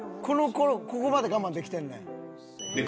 この頃ここまで我慢できてんねん。